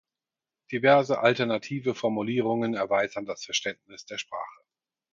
Diverse alternative Formulierungen erweitern das Verständnis der Sprache.